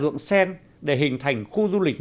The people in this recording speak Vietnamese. ruộng sen để hình thành khu du lịch